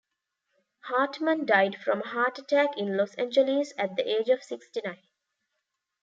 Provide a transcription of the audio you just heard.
Hartman died from a heart attack in Los Angeles at the age of sixty-nine.